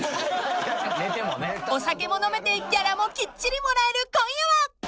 ［お酒も飲めてギャラもきっちりもらえる今夜は］